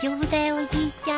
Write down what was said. おじいちゃん。